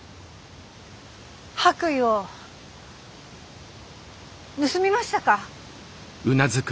白衣を盗みましたか？